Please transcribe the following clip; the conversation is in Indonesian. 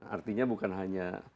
artinya bukan hanya